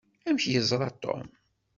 Amek ay yeẓra Tom?